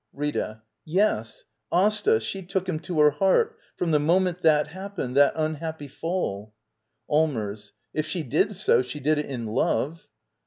Rita. Yes. Asta — she took him to her heart — from the moment that happened — that unhappy fall. Allmers. If she did so, she did it in love.